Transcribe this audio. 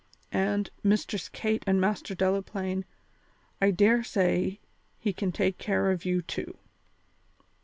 And, Mistress Kate and Master Delaplaine, I dare say he can take care of you too."